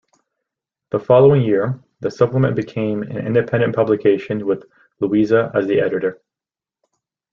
The following year, the supplement became an independent publication with Louisa as the editor.